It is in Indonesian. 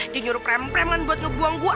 dia nyuruh prem preman buat ngebuang gue